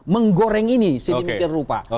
menggoreng ini sedemikian rupa